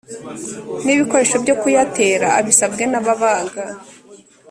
n ibikoresho byo kuyatera abisabwe n ababaga